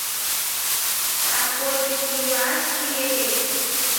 তাঁর পৈতৃক নিবাস সিলেটে।